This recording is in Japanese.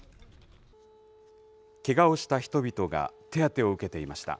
けがをした人々が手当てを受けていました。